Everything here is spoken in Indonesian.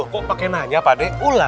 kok pakai nanya pak d